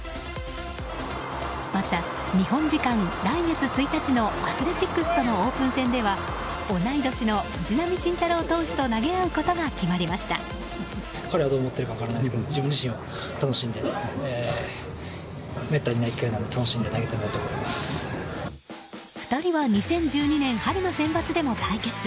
また日本時間、来月１日のアスレチックスとのオープン戦では同い年の藤浪晋太郎投手と２人は２０１２年春のセンバツでも対決。